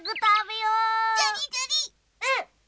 うん！